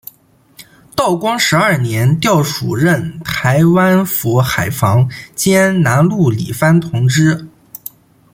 道光十二年调署任台湾府海防兼南路理番同知。